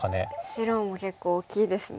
白も結構大きいですね。